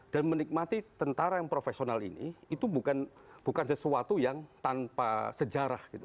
dan menikmati tentara yang profesional ini itu bukan sesuatu yang tanpa sejarah gitu